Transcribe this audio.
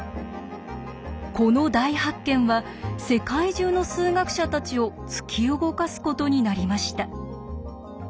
この大発見は世界中の数学者たちを突き動かすことになりました。